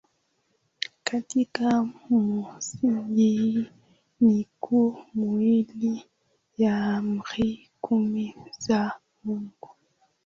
katika misingi hii mikuu miwili ya Amri kumi za Mungu